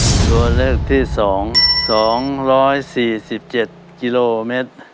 ตัวเลือกที่สองสองร้อยสี่สิบเจ็ดกิโลเมตร